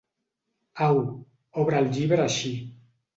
Au, obre el llibre així.